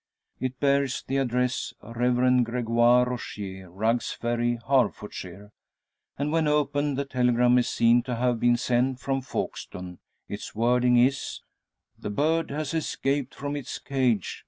It bears the address "Rev. Gregoire Rogier, Rugg's Ferry, Herefordshire," and when opened the telegram is seen to have been sent from Folkestone. Its wording is: "_The bird has escaped from its cage.